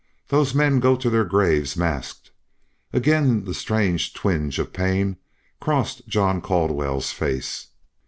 Those men go to their graves masked." Again the strange twinge of pain crossed John Caldwell's face.